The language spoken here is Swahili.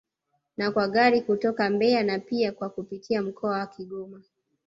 Na kwa Gari kutoka Mbeya na pia kwa kupitia mkoa wa Kigoma